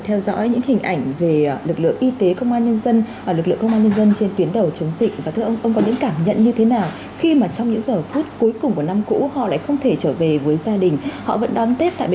hãy đăng ký kênh để ủng hộ kênh của mình nhé